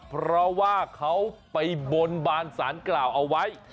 เพราะว่าเขาไปบนบานสารกล่าวเอาไว้